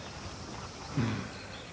うん。